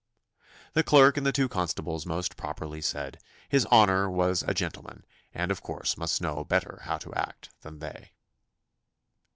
The clerk and the two constables most properly said, "his honour was a gentleman, and of course must know better how to act than they."